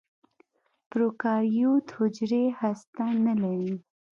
پروکاریوت حجرې هسته نه لري.